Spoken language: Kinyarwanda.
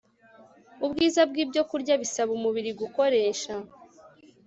ubwiza bwibyokurya bisaba umubiri gukoresha